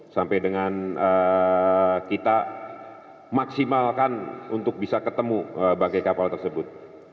sampai dengan kita maksimalkan untuk bisa ketemu bagai kapal tersebut